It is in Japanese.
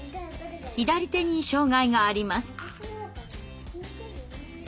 左手に障害があります。